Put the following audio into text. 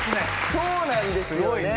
そうなんですよね